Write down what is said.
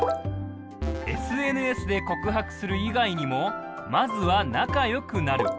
ＳＮＳで告白する以外にもまずは仲良くなる。